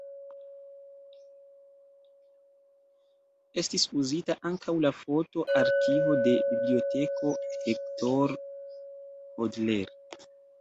Estis uzita ankaŭ la foto-arkivo de Biblioteko Hector Hodler.